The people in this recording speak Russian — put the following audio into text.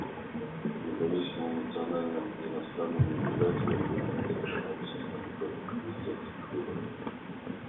Независимым национальным и иностранным наблюдателям будет разрешено вести мониторинг президентских выборов.